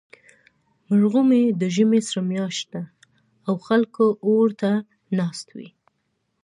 مرغومی د ژمي سړه میاشت ده، او خلک اور ته ناست وي.